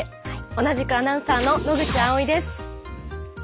同じくアナウンサーの野口葵衣です。